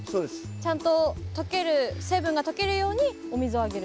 ちゃんと溶ける成分が溶けるようにお水をあげる。